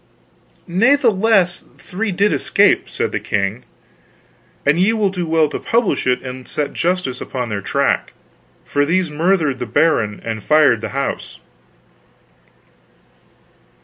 "Natheless, three did escape," said the king, "and ye will do well to publish it and set justice upon their track, for these murthered the baron and fired the house."